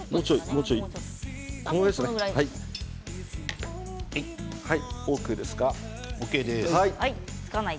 もうちょいかな。